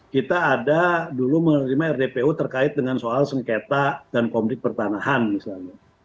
kita ada dulu menerima rdpu terkait dengan soal sengketa dan konflik pertanahan misalnya